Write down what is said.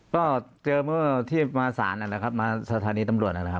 ก็เจอเมื่อที่มาสารนั่นแหละครับมาสถานีตำรวจนั่นแหละครับ